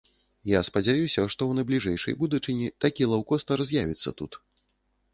Я спадзяюся, што ў найбліжэйшай будучыні такі лоўкостар з'явіцца тут.